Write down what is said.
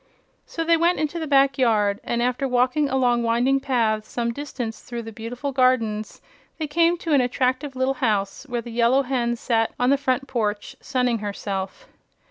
So they went into the back yard, and after walking along winding paths some distance through the beautiful gardens they came to an attractive little house where the Yellow Hen sat on the front porch sunning herself.